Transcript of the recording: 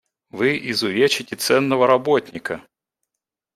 Вы изувечите ценного работника.